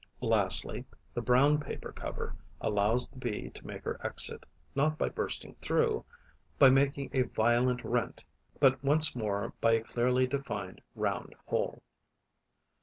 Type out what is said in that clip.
Lastly, the brown paper cover allows the Bee to make her exit not by bursting through, by making a violent rent, but once more by a clearly defined round hole.